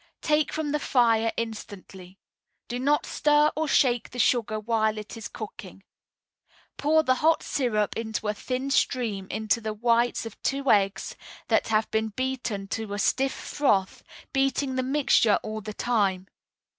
Take from the fire instantly. Do not stir or shake the sugar while it is cooking. Pour the hot syrup in a thin stream into the whites of two eggs that have been beaten to a stiff froth, beating the mixture all the time.